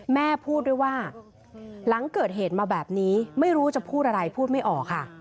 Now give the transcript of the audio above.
แม่พูดด้วยว่าหลังเกิดเหตุมาแบบนี้ไม่รู้จะพูดอะไรพูดไม่ออกค่ะ